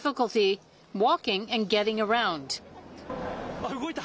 あっ、動いた。